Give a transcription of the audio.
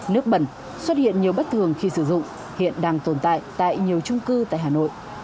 nước bẩn xuất hiện nhiều bất thường khi sử dụng hiện đang tồn tại tại nhiều trung cư tại hà nội